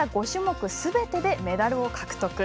５種目すべてでメダルを獲得。